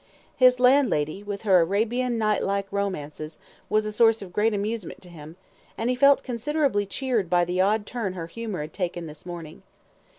His landlady, with her Arabian Nightlike romances, was a source of great amusement to him, and he felt considerably cheered by the odd turn her humour had taken this morning.